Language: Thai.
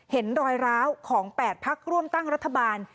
เห็นรอยร้าวของ๘พักร่วมตั้งรัฐบาล